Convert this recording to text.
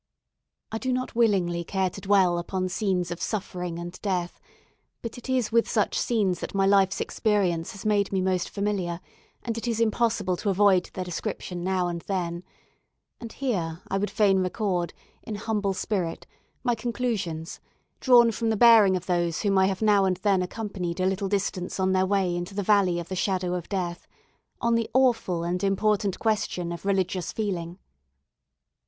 I do not willingly care to dwell upon scenes of suffering and death, but it is with such scenes that my life's experience has made me most familiar, and it is impossible to avoid their description now and then; and here I would fain record, in humble spirit, my conclusions, drawn from the bearing of those whom I have now and then accompanied a little distance on their way into the Valley of the Shadow of Death, on the awful and important question of religious feeling.